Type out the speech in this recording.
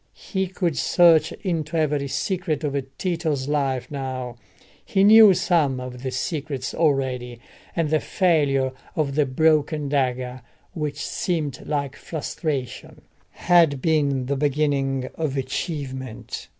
He could search into every secret of Tito's life now: he knew some of the secrets already, and the failure of the broken dagger, which seemed like frustration, had been the beginning of achievement.